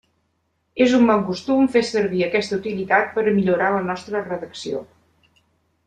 És un bon costum fer servir aquesta utilitat per a millorar la nostra redacció.